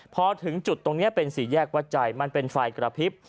พอถึงจุดตรงนี้เป็นสี่แยกวัดใจมันเป็นไฟกระพริบ